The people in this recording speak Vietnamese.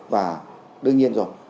và đương nhiên rồi